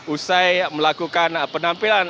usai melakukan penampilan